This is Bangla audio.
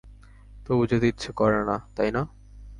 তবু যেতে ইচ্ছে করে না, তাই না?